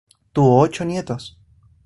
Tuvo ocho nietos.